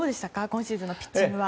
今シーズンのピッチングは。